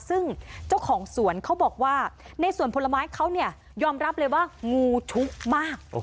ซึ่งเจ้าของสวนเขาบอกว่าในสวนผลไม้เขาเนี่ยยอมรับเลยว่างูชุมาก